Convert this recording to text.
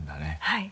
はい。